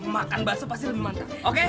makan baso pasti lebih mantap oke